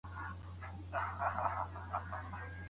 تبۍ بې اوره نه ګرمېږي.